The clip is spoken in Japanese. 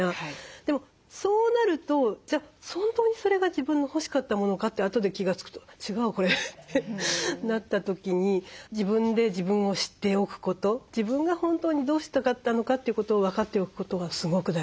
でもそうなるとじゃあ本当にそれが自分の欲しかったものかってあとで気が付くと違うこれってなった時に自分で自分を知っておくこと自分が本当にどうしたかったのかということを分かっておくことがすごく大事。